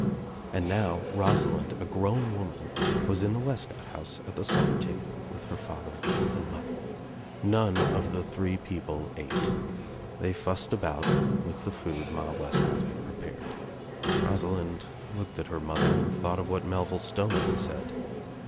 LAnd now Rosalind, a grown woman, was in the Fescott house at the supper table with her father I mother. None of the three people ate. They iised about with the food Ma Wescott had prepared. Eosalind looked at her mother and thought of what lelviUe Stoner had said.